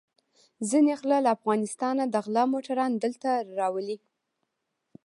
ځينې غله له افغانستانه د غلا موټران دلته راولي.